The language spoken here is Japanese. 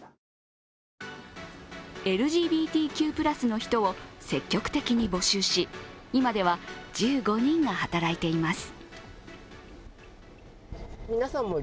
ＬＧＢＴＱ＋の人を積極的に募集し、今では１５人が働いています。